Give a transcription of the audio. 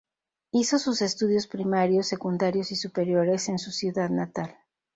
Hizo sus estudios primarios, secundarios y superiores en su ciudad natal.